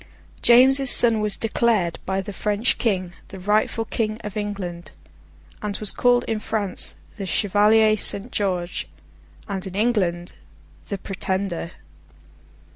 James's son was declared, by the French King, the rightful King of England; and was called in France The Chevalier Saint George, and in England The Pretender.